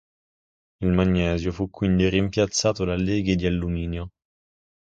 Il magnesio fu quindi rimpiazzato da leghe di alluminio.